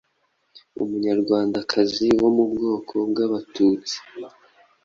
Umunyarwandakazi wo mu bwoko bw’Abatutsi